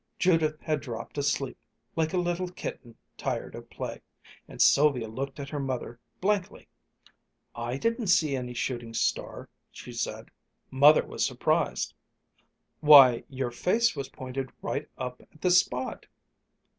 Judith had dropped asleep like a little kitten tired of play, and Sylvia looked at her mother blankly. "I didn't see any shooting star," she said. Mother was surprised. "Why, your face was pointed right up at the spot."